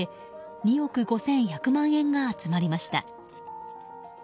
２億５１００万円が集まりました。